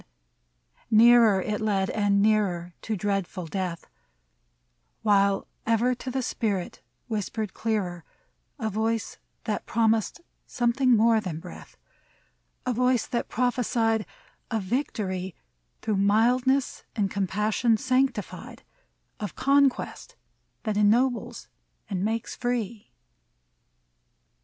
163 MEMORIAL ODE Nearer it led and nearer To dreadful death, While ever to the spirit whispered clearer A voice that promised something more than breath : A voice that prophesied Of victory, Through mildness and compassion sanctified, — Of conquest that ennobles and makes free.